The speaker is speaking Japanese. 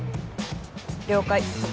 了解。